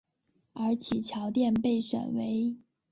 而其桥殿被选为。